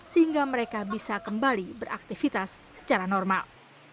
sehingga mereka bisa kembali beraktivitas secara normal